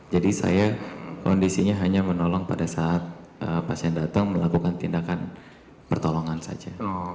jadi saya kondisinya hanya menolong pada saat pasien datang melakukan tindakan pertolongan saja